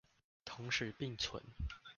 同時並存